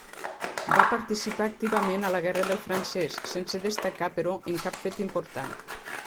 Va participar activament a la Guerra del francès, sense destacar però en cap fet important.